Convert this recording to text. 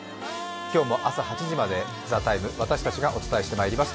今日も朝８時まで「ＴＨＥＴＩＭＥ，」私たちがお伝えしてまいります。